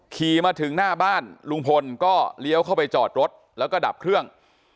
ขี่มาถึงหน้าบ้านลุงพลก็เลี้ยวเข้าไปจอดรถแล้วก็ดับเครื่อง